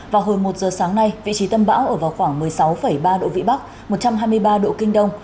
vào hồi một giờ sáng nay vị trí tâm bão ở vào khoảng một mươi sáu ba độ vĩ bắc một trăm hai mươi ba độ kinh đông